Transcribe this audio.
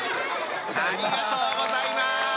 ありがとうございます！